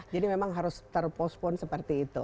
jadi memang harus ter postpone seperti itu